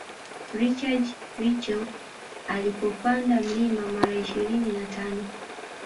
Richard reusch alipopanda mlima mara ishirini na tano